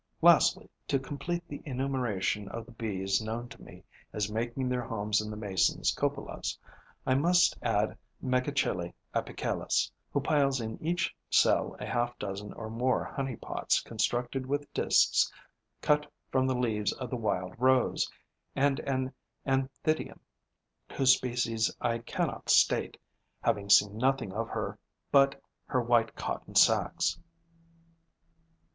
Lastly, to complete the enumeration of the Bees known to me as making their homes in the Mason's cupolas, I must add Megachile apicalis, who piles in each cell a half dozen or more honey pots constructed with disks cut from the leaves of the wild rose, and an Anthidium whose species I cannot state, having seen nothing of her but her white cotton sacks.